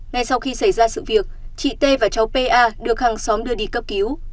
ngay sau khi xảy ra sự việc chị t và cháu pa được hàng xóm đưa đi cấp cứu